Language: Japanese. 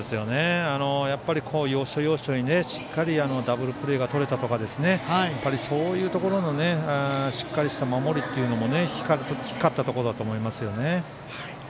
やっぱり要所要所でしっかりダブルプレーとれたとかそういうところのしっかりした守りっていうのも光ったところだと思います。